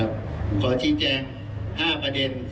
ขอชี้แจง๕ประเด็น